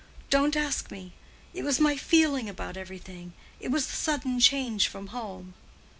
"Don't ask me—it was my feeling about everything—it was the sudden change from home."